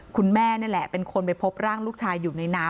คุณแม่นี่แหละเป็นคนไปพบร่างลูกชายอยู่ในน้ำ